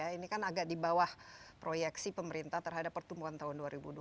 ini kan agak di bawah proyeksi pemerintah terhadap pertumbuhan tahun dua ribu dua puluh